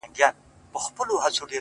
وتاته زه په خپله لپه كي-